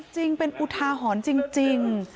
จริงเป็นอุทาหรณ์จริง